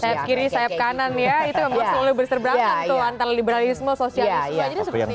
sayap kiri sayap kanan ya itu yang membuat selalu berseberangan tuh antara liberalisme sosialisme jadi seperti